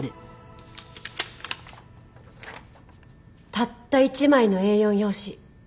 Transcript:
たった１枚のＡ４用紙。